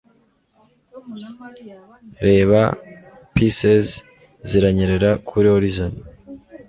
Reba Pisces ziranyerera kuri horizon